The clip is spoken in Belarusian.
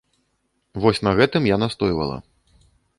Вось на гэтым я настойвала.